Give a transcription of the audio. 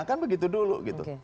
kan begitu dulu gitu